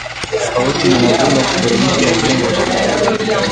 tofauti ya mavuno husababishwa na udongo wa shamba